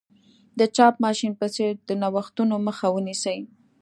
د چاپ ماشین په څېر د نوښتونو مخه ونیسي.